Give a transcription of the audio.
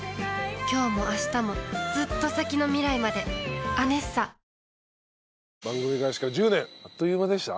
きょうもあしたもずっと先の未来まで「ＡＮＥＳＳＡ」番組開始から１０年あっという間でした？